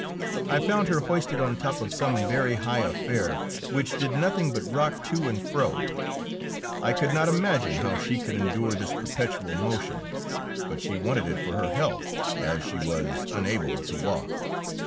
I found her hoisted on the top of some very high affair which did nothing but rock to and fro. I could not imagine how she could endure this perpetual motion, but she wanted it for her health, as she was unable to walk.